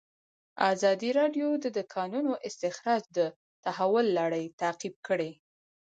ازادي راډیو د د کانونو استخراج د تحول لړۍ تعقیب کړې.